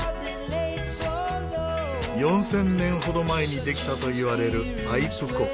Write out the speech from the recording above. ４０００年ほど前にできたといわれるアイプ湖。